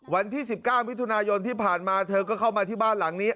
วันที่๑๙มิถุนายนที่ผ่านมาเธอก็เข้ามาที่บ้านหลังนี้